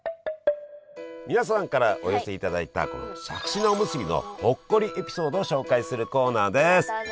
皆さんからお寄せいただいたこのしゃくし菜おむすびのほっこりエピソードを紹介するコーナーです！